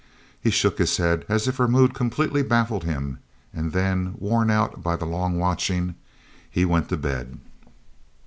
He shook his head as if her mood completely baffled him, and then, worn out by the long watching, he went to bed.